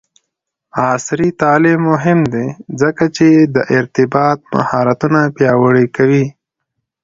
عصري تعلیم مهم دی ځکه چې د ارتباط مهارتونه پیاوړی کوي.